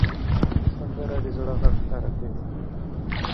سندره د زړه غږ ښکاره کوي